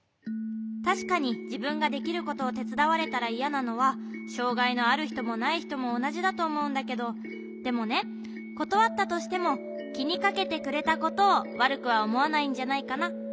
たしかにじぶんができることをてつだわれたらいやなのはしょうがいのあるひともないひともおなじだとおもうんだけどでもねことわったとしてもきにかけてくれたことをわるくはおもわないんじゃないかな。